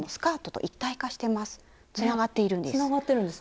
つながっているんです。